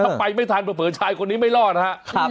ถ้าไปไม่ทันเผลอชายคนนี้ไม่รอดนะครับ